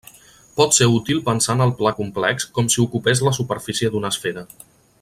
Pot ser útil pensar en el pla complex com si ocupés la superfície d'una esfera.